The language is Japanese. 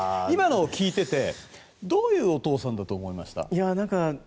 今のを聞いててどういうお父さんだと思いました？